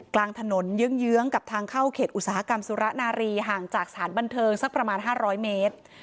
กลางถนนเยื้องกับทางเข้าเขตอุตสาหกรรมสุรนารีห่างจากสถานบันเทิงสักประมาณ๕๐๐เมตร